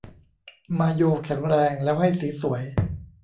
มาโยแข็งแรงแล้วให้สีสวย